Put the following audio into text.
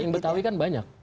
betawi kan banyak